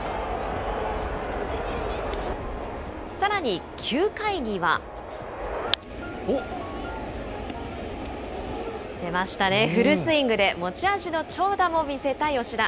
さらに、９回には。出ましたね、フルスイングで、持ち味の長打も見せた吉田。